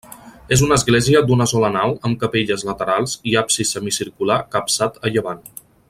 És una església d'una sola nau amb capelles laterals i absis semicircular capçat a llevant.